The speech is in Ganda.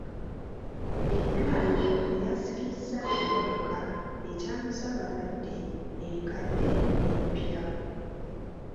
Eddwaliro lyasikizza emmotoka etambuza abalwadde enkadde n'empya.